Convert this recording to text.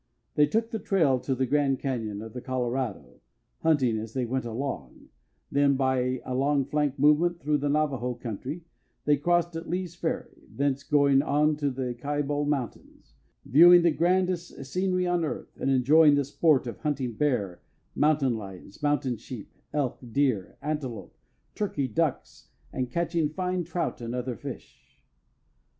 They took the trail to the Grand Cañon of the Colorado, hunting as they went along, then by a long flank movement through the Navajo Country, they crossed at Lee's Ferry, thence going on to the Kaibal Mountains, viewing the grandest scenery on earth, and enjoying the sport of hunting bear, mountain lions, mountain sheep, elk, deer, antelope, turkey, ducks, and catching fine trout and other fish.